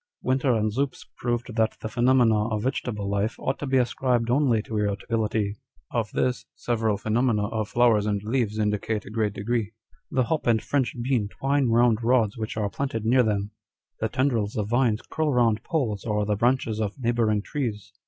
Winter and Zups proved that the phenomena of vegetable life ought to be ascribed only to irritability. Of this, several phenomena of flowers and leaves indicate a great degree. 194 On Dr. Spurzheim's Theory, The bop and French bean twine round rods which arc planted near them. The tendrils of vines curl round poles or the branches of neighbouring trees.